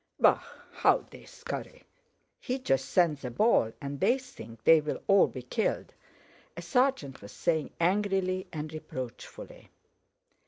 "Bah! How they scurry. He just sends a ball and they think they'll all be killed," a sergeant was saying angrily and reproachfully.